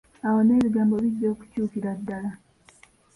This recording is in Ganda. Awo n'ebigambo bijja okukyukira ddala.